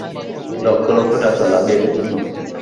লক্ষ লক্ষ টাকা লাগে এটার জন্য।